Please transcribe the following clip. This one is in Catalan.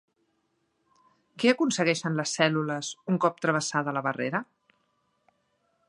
Què aconsegueixen les cèl·lules un cop travessada la barrera?